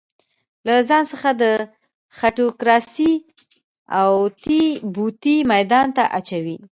له ځان څخه د خېټوکراسۍ اوتې بوتې ميدان ته اچوي.